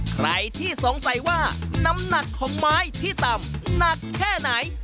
ใครที่สงสัยว่าน้ำหนักของไม้ที่ต่ำหนักแค่ไหน